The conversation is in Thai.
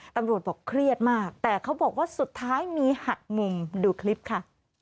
ตำรวจบอกเครียดมากแต่เขาบอกว่าสุดท้ายมีหักมุมดูคลิปค่ะ